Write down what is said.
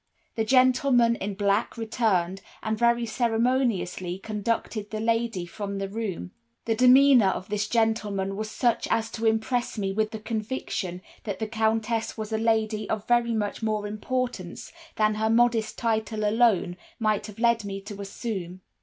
"The gentleman in black returned, and very ceremoniously conducted the lady from the room. "The demeanor of this gentleman was such as to impress me with the conviction that the Countess was a lady of very much more importance than her modest title alone might have led me to assume.